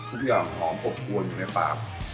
ทุกอย่างออกลวงยังอยู่ในปาก